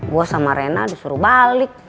gue sama rena disuruh balik